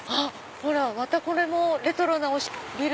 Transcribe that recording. ほらまたこれもレトロなビル。